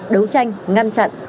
đấu tranh ngăn chặn